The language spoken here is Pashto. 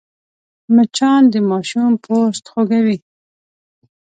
مچان د ماشوم پوست خوږوي